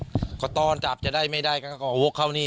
สนก็ต้อนจับจะได้ไม่ได้ก็วกเข้างี้